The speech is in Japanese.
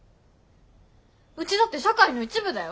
うちだって社会の一部だよ。